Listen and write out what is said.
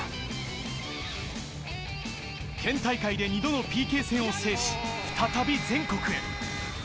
県大会で２度のＰＫ戦を制し再び全国へ。